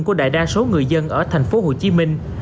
của đại đa số người dân ở thành phố hồ chí minh